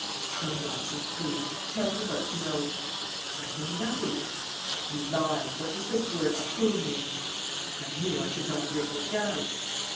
"No nonsense, please. Tell me what you know." "I know nothing." "You lie. What does this word 'APOON' mean?" "If I knew, I should not have written it down."